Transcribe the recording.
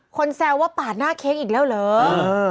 แซวว่าปาดหน้าเค้กอีกแล้วเหรอ